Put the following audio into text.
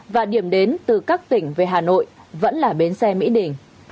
và điểm đến từ các tỉnh về hà nội vẫn là bến xe mỹ đình